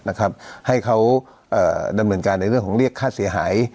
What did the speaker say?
ให้เขาดำเนินการในเรื่องของเรียกค่าเสียหาย